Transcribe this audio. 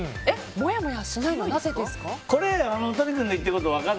もやもやしないのはなぜですか？